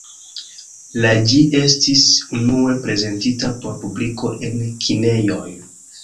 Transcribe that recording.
La ĝi estis unue prezentita por publiko en kinejoj.